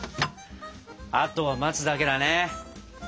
あとは待つだけだね。